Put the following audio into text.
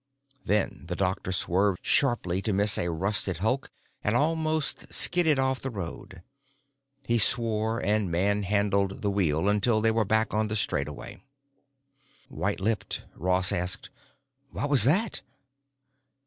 Then the doctor swerved sharply to miss a rusted hulk and almost skidded off the road. He swore and manhandled the wheel until they were back on the straightaway. White lipped, Ross asked, "What was that?"